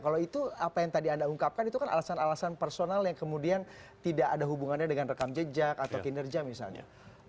kalau itu apa yang tadi anda ungkapkan itu kan alasan alasan personal yang kemudian tidak ada hubungannya dengan rekam jejak atau kinerja misalnya